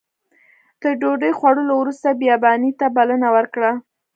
تر ډوډۍ خوړلو وروسته بیاباني ته بلنه ورکړه.